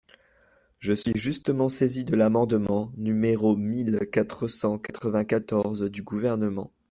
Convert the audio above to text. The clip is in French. Je suis justement saisie de l’amendement numéro mille quatre cent quatre-vingt-quatorze du Gouvernement.